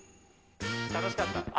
楽しかった。